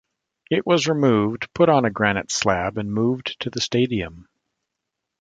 It was removed, put on a granite slab and moved to the stadium.